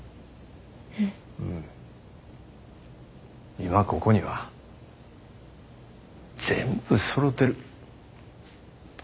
今ここには全部そろてる。